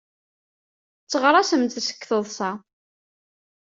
Tteɣraṣemt seg teḍsa.